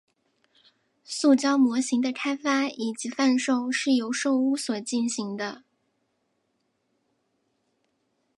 塑胶模型的开发以及贩售是由寿屋所进行的。